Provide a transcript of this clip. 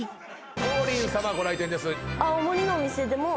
王林さまご来店です。